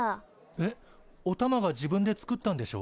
えっおたまが自分で作ったんでしょ？